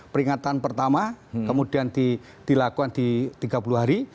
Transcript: peringatan pertama kemudian dilakukan di tiga puluh hari